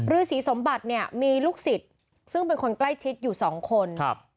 ฤษีสมบัติมีลูกศิษย์ซึ่งเป็นคนใกล้ชิดอยู่๒คน